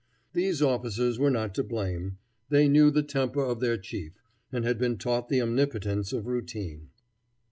These officers were not to blame. They knew the temper of their chief, and had been taught the omnipotence of routine.